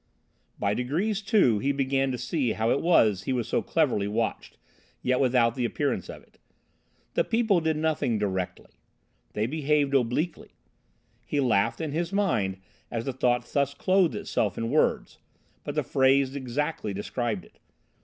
By degrees, too, he began to see how it was he was so cleverly watched, yet without the appearance of it. The people did nothing directly. They behaved obliquely. He laughed in his mind as the thought thus clothed itself in words, but the phrase exactly described it.